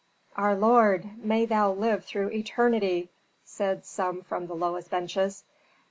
"Our lord, may thou live through eternity!" said some from the lowest benches.